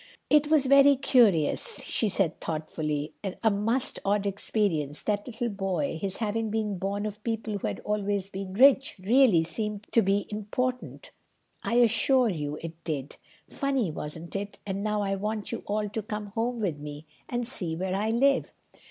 "It was very curious," she said thoughtfully, "a most odd experience, that little boy ... his having been born of people who had always been rich, really seemed to me to be important. I assure you it did. Funny, wasn't it? And now I want you all to come home with me, and see where I live."